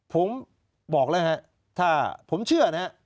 ผมบอกแล้วครับถ้าผมเชื่อ